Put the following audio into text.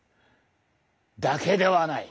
だけではない。